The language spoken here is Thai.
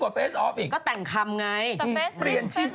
ก็แต่งคำไง